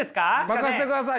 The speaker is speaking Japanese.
任せてください！